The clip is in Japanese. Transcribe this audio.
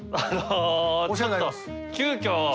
急きょ